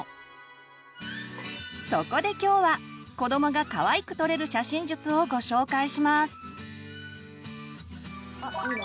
そこで今日は子どもがかわいく撮れる写真術をご紹介します！